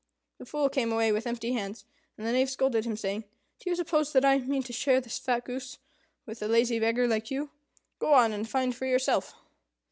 The Fool came away with empty hands, and the Knave scolded him, saying, "Do you suppose that I mean to share this fat goose with a lazy beggar like you? Go on, and find for yourself."